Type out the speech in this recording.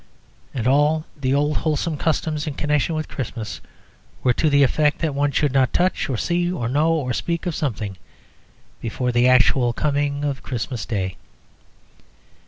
And all the old wholesome customs in connection with Christmas were to the effect that one should not touch or see or know or speak of something before the actual coming of Christmas Day.